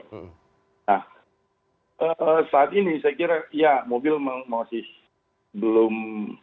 nah saat ini saya kira ya mobil masih belum